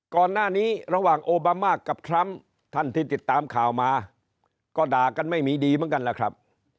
ก่อนหน้านี้ระหว่างโอบามากับทรัมป์ท่านที่ติดตามข่าวมาก็ด่ากันไม่มีดีเหมือนกันแหละครับ